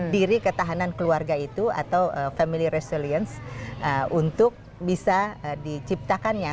diri ketahanan keluarga itu atau family resilience untuk bisa diciptakannya